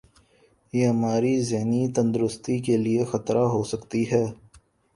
یہ ہماری ذہنی تندرستی کے لئے خطرہ ہوسکتی ہے